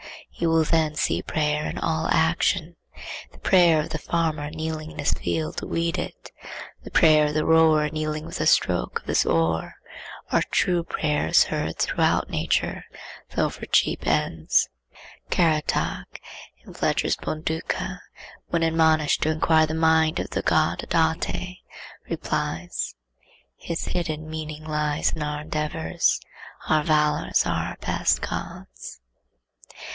He will then see prayer in all action. The prayer of the farmer kneeling in his field to weed it, the prayer of the rower kneeling with the stroke of his oar, are true prayers heard throughout nature, though for cheap ends. Caratach, in Fletcher's Bonduca, when admonished to inquire the mind of the god Audate, replies,— "His hidden meaning lies in our endeavors; Our valors are our best gods."